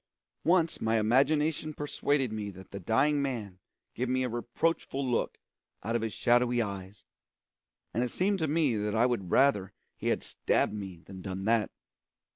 Once my imagination persuaded me that the dying man gave me a reproachful look out of his shadowy eyes, and it seemed to me that I would rather he had stabbed me than done that.